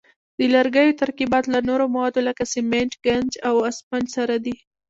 د لرګیو ترکیبات له نورو موادو لکه سمنټ، ګچ او اسفنج سره دي.